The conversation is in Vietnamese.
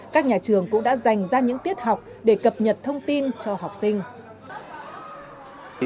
các nhà trường cũng đã dành ra những tiết học để cập nhật thông tin cho học sinh